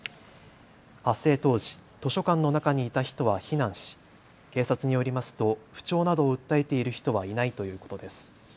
発生当時、図書館の中にいた人は避難し警察によりますと不調などを訴えている人はいないということです。